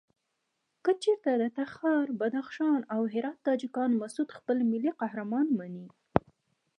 کچېرته د تخار، بدخشان او هرات تاجکان مسعود خپل ملي قهرمان مني.